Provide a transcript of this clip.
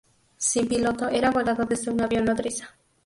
Sin piloto, era volado desde un avión "nodriza".